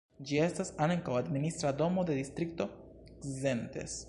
Ĝi estas ankaŭ administra domo de Distrikto Szentes.